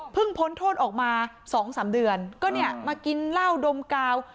เพิ่งพ้นโทษออกมาสองสามเดือนก็เนี่ยมากินเหล้าดมกาว